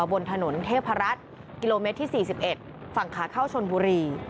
บนถนนเทพรัฐกิโลเมตรที่๔๑ฝั่งขาเข้าชนบุรี